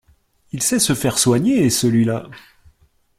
Il sait se faire soigner, celui-là !